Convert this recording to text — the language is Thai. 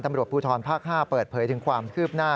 ตำรวจภูทรภาค๕เปิดเผยถึงความคืบหน้า